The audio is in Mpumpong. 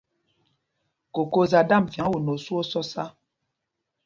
Koko za damb vyaŋ won nɛ osu o sɔsa.